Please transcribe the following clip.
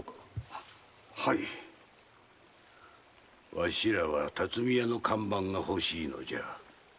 わしらは「巽屋」の看板が欲しいのじゃ。